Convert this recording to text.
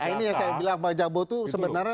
nah ini yang saya bilang pak jabo itu sebenarnya